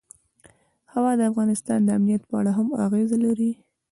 هوا د افغانستان د امنیت په اړه هم اغېز لري.